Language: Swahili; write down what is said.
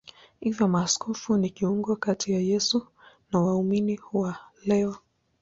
Hivyo maaskofu ni kiungo kati ya Yesu na waumini wa leo.